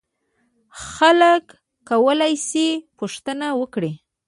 خلک کولای شي پوښتنه وکړي.